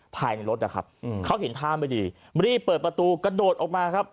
ภายในรถนะครับเขาเห็นท่าไม่ดีรีบเปิดประตูกระโดดออกมาครับ